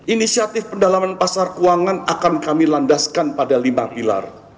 inisiatif pendalaman pasar keuangan akan kami landaskan pada lima pilar